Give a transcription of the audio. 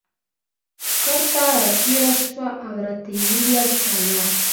کټ ته را تېره شوه او راته یې وویل: سلام.